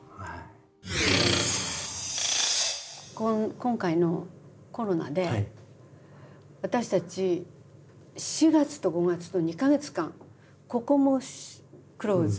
今回のコロナで私たち４月と５月と２か月間ここもクローズ。